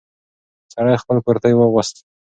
سړی خپل کورتۍ واغوست.